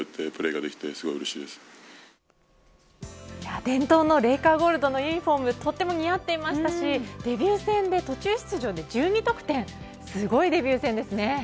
伝統のレイカーゴールドのユニホームとても似合っていましたしデビュー戦で途中出場で１２得点すごいデビュー戦ですね。